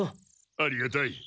ありがたい！